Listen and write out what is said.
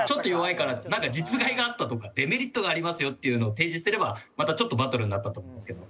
なんか実害があったとかデメリットがありますよっていうのを提示すればまたちょっとバトルになったと思うんですけど。